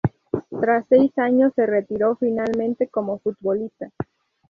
Tras seis años se retiró finalmente como futbolista.